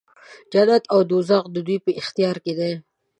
جنت او دوږخ د دوی په اختیار کې دی.